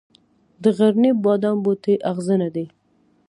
د غرني بادام بوټی اغزنه دی